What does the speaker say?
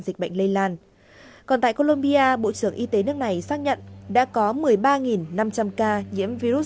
dịch bệnh lây lan còn tại colombia bộ trưởng y tế nước này xác nhận đã có một mươi ba năm trăm linh ca nhiễm virus